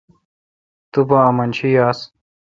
تو پا امنشی یاس۔